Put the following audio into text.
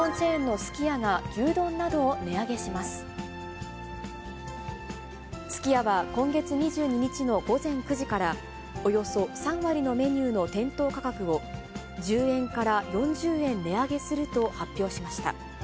すき家は今月２２日の午前９時から、およそ３割のメニューの店頭価格を、１０円から４０円値上げすると発表しました。